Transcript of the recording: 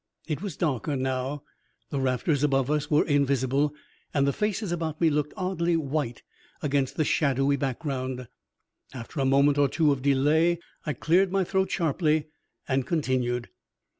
It was darker now. The rafters above us were invisible, and the faces about me looked oddly white against the shadowy background. After a moment or two of delay I cleared my throat sharply and continued.